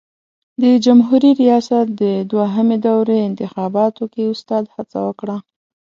د جمهوري ریاست د دوهمې دورې انتخاباتو کې استاد هڅه وکړه.